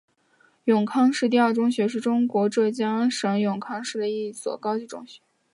永康市第二中学是中国浙江省永康市的一所高级中学。